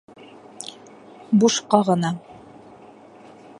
Бушҡа ғына!